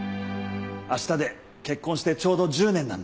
明日で結婚してちょうど１０年なんだ。